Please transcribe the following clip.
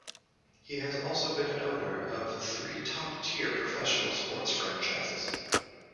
He has also been an owner of three top tier professional sports franchises.